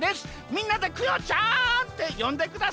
みんなでクヨちゃんってよんでください。